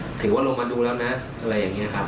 และยืนยันเหมือนกันว่าจะดำเนินคดีอย่างถึงที่สุดนะครับ